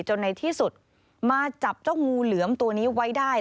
ในที่สุดมาจับเจ้างูเหลือมตัวนี้ไว้ได้